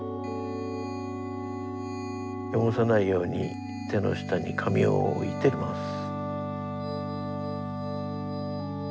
よごさないようにてのしたにかみをおいてます。